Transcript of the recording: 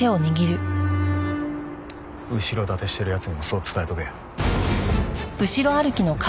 後ろ盾してる奴にもそう伝えておけ。